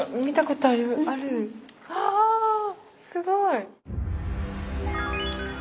あすごい！